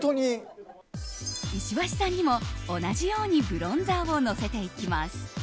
石橋さんにも同じようにブロンザーをのせていきます。